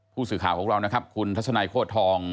ผู้สื่อข่าวของเรานะครับคุณทัศนัยโคตรทอง